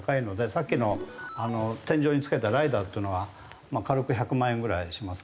さっきの天井に付けたライダーっていうのは軽く１００万円ぐらいしますから。